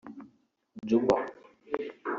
Juba